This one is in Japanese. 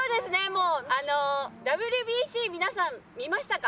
もうあのＷＢＣ皆さん見ましたか？